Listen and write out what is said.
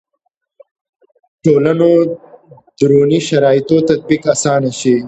ټولنو دروني شرایطو تطبیق اسانه شي.